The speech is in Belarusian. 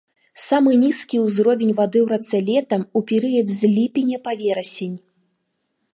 Самы нізкі ўзровень вады ў рацэ летам, у перыяд з ліпеня па верасень.